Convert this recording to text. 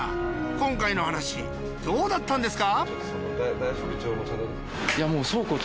今回の話どうだったんですか？